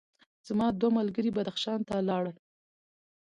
زما دوه ملګري بدخشان ته لاړل.